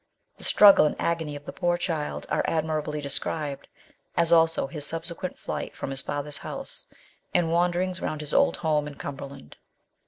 The struggle and agony of the poor child are admir ably described, as also his subsequent flight from his father's house, and wanderings round his old home in Cumberland.